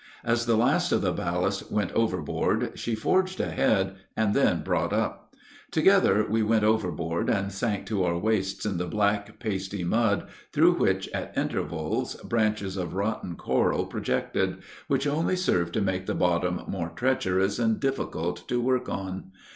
As the last of the ballast went overboard she forged ahead, and then brought up. Together we went overboard, and sank to our waists in the black, pasty mud, through which at intervals branches of rotten coral projected, which only served to make the bottom more treacherous and difficult to work on.